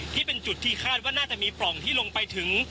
ที่เป็นจุดที่คาดว่าน่าจะมีปล่องที่ลงไปถึง